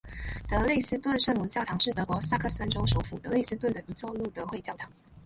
德累斯顿圣母教堂是德国萨克森州首府德累斯顿的一座路德会教堂。